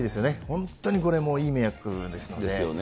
本当にこれ、いい迷惑ですので。ですよね。